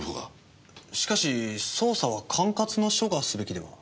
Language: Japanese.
しかし捜査は管轄の署がすべきでは？